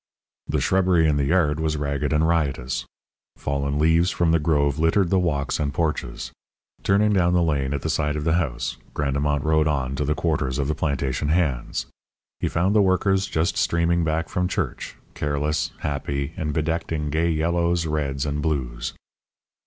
The shrubbery in the yard was ragged and riotous. Fallen leaves from the grove littered the walks and porches. Turning down the lane at the side of the house, Grandemont rode on to the quarters of the plantation hands. He found the workers just streaming back from church, careless, happy, and bedecked in gay yellows, reds, and blues.